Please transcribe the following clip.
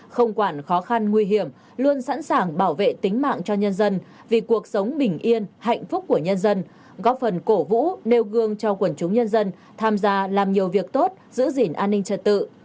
không quản khó khăn nguy hiểm luôn sẵn sàng bảo vệ tính mạng cho nhân dân vì cuộc sống bình yên hạnh phúc của nhân dân góp phần cổ vũ nêu gương cho quần chúng nhân dân tham gia làm nhiều việc tốt giữ gìn an ninh trật tự